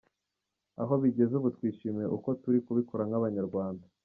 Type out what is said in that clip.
Aho bigeze ubu twishimiye uko turi kubikora nk’Abanyarwanda.